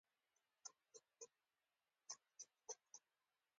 بیا به موږ هر څومره ملخان چې وغواړو راټول کړو